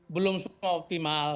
belum semua optimal